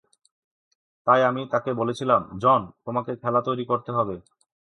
তাই আমি তাকে বলেছিলাম, 'জন, তোমাকে খেলা তৈরি করতে হবে।